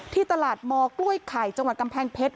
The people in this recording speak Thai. ที่ตลาดมกล้วยไข่จังหวัดกำแพงเพชร